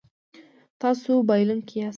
تاسو بایلونکی یاست